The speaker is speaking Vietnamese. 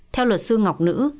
theo luật sư ngọc nữ